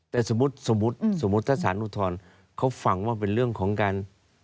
แต่สมมุติสมมุติถ้าสารอุทธรณ์เขาฟังว่าเป็นเรื่องของการ